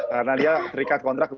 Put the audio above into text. karena dia terikat kontrak